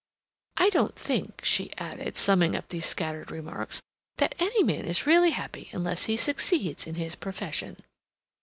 I don't think," she added, summing up these scattered remarks, "that any man is really happy unless he succeeds in his profession."